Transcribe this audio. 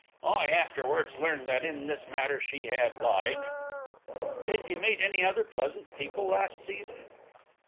I afterwards learned that in this matter she had lied." "Did you meet any other pleasant people last season?"